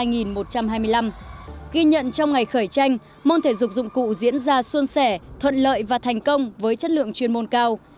ghi nhận trong ngày khởi tranh môn thể dục dụng cụ diễn ra xuân sẻ thuận lợi và thành công với chất lượng chuyên môn cao